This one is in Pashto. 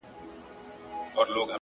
پوه انسان له اورېدو هم زده کوي